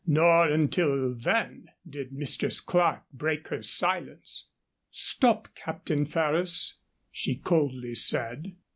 Nor until then did Mistress Clerke break her silence. "Stop, Captain Ferrers," she coldly said.